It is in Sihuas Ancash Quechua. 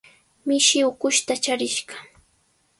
Mishi ukushta charishqa.